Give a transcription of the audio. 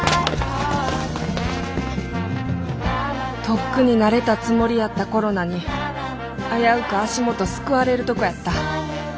とっくに慣れたつもりやったコロナに危うく足元すくわれるとこやった。